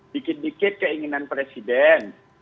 dikit dikit keinginan presiden